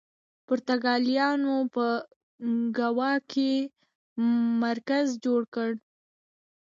پرتګالیانو په ګوا کې مرکز جوړ کړ.